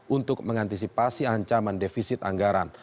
untuk mengantisipasi ancaman defisit anggaran